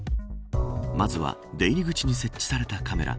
まずは出入り口に設置されたカメラ。